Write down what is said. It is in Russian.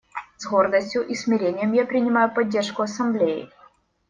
С гордостью и смирением я принимаю поддержку Ассамблеи.